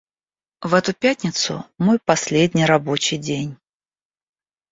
В эту пятницу мой последний рабочий день.